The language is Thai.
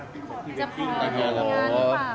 จะพาแต่งงานหรือเปล่า